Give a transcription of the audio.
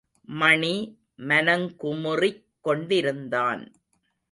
மணி மனங்குமுறிக் கொண்டிருந்தான்.